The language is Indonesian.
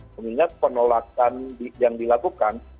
menurut penolakan yang dilakukan